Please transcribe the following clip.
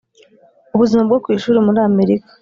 ubuzima bwo ku ishuri muri Amerika